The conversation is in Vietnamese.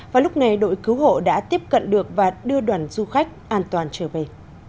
và lúc này đội cứu hộ đã tiếp cận được và đưa đoàn du khách an toàn trở về